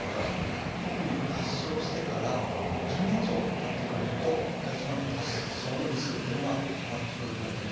特に発症してから１０年以上たってくると大腸がん発症のリスクっていうのが上がってくるといわれてるんですね。